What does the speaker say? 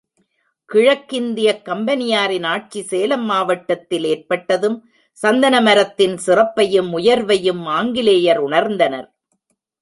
கிழக்கிந்தியக் கம்பெனியாரின் ஆட்சி சேலம் மாவட்டத்தில் ஏற்பட்டதும், சந்தன மரத்தின் சிறப்பையும், உயர்வையும் ஆங்கிலேயர் உணர்ந்தனர்.